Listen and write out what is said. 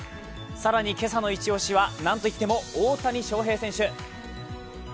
更に今朝のイチ押しは何といっても大谷翔平選手。